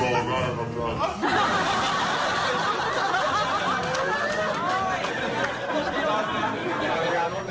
เข้าใจว่าเข้าใจว่าต้องตามรถแบบหรอจริงใครเนี่ย